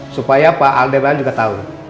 supaya pak aldeban juga tahu